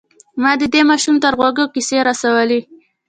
ما د دې ماشوم تر غوږونو کيسې رسولې.